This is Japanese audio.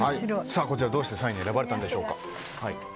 こちら、どうして３位に選ばれたんでしょうか？